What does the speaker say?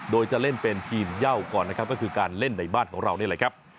โดยจะเล่นเป็นทีมเย่าก่อนนะครับก็คือการเล่นในบ้านของเรานี่แหละครับ